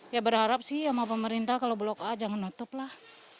ya berharap sih sama pemerintah kalau blok a jangan nutup lah